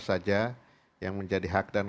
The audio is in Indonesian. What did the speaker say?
saja yang menjadi hak dan